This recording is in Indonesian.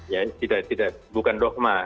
ya tidak bukan dogma